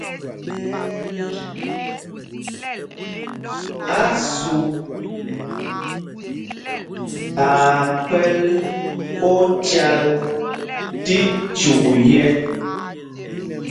Ásûp aa kpɛ̌l ócāl tí cyûk yɛ̄.